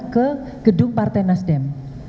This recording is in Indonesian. ke gedung partai nasdem